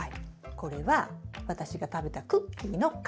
これは私が食べたクッキーの缶。